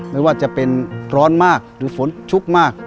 ไม่ว่าจะเป็นร้อนมากหรือฝนชุกมาก